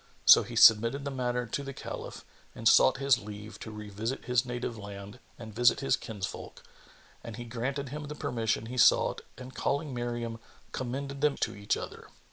So he submitted the matter to the Caliph and sought his leave to revisit his native land and visit his kinsfolk, and he granted him the permission he sought and calling Miriam, commended them each to other.